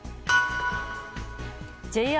ＪＲ